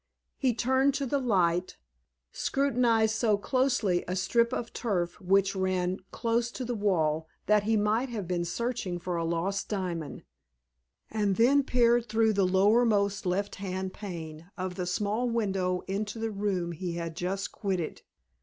He turned to the light, scrutinized so closely a strip of turf which ran close to the wall that he might have been searching for a lost diamond, and then peered through the lowermost left hand pane of the small window into the room he had just quitted.